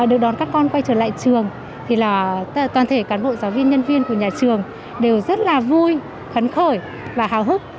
được đón các con quay trở lại trường thì toàn thể cán bộ giáo viên nhân viên của nhà trường đều rất là vui khấn khởi và hào hức